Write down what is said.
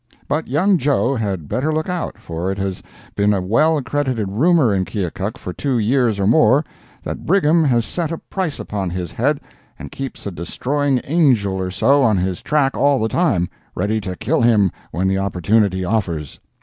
But young Joe had better look out, for it has been a well credited rumor in Keokuk for two years or more that Brigham has set a price upon his head and keeps a destroying angel or so on his track all the time, ready to kill him when the opportunity offers.